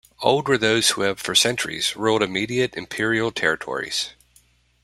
Old were those who have for centuries ruled immediate imperial territories.